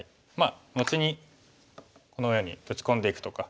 後にこのように打ち込んでいくとか。